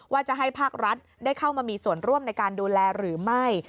ว่าจะให้ภาครัฐได้เข้ามามีส่วนร่วมในการดูแลหรือไม่